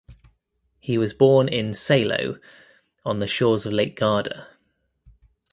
He was born in Salo on the shores of Lake Garda.